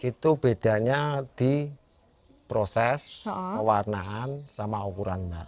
itu bedanya di proses pewarnaan sama ukuran bak